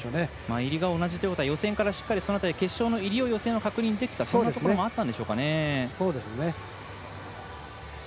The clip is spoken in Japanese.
入りが同じということは決勝の入りを予選は確認できたというところもあったんでしょうかね。